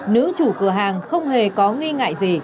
nữ chủ cửa hàng không hề có nghi ngại gì